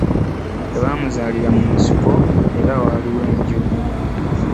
Tebaamuzaalira mu nsiko era waaliwo enju.